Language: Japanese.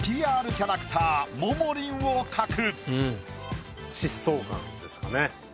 キャラクターももりんを描く。